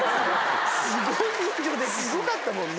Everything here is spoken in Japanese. すごいすごかったもんね。